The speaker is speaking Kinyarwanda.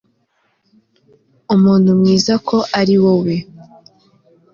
umuntu mwiza ko ari wowe